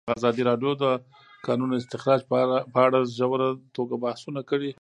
ازادي راډیو د د کانونو استخراج په اړه په ژوره توګه بحثونه کړي.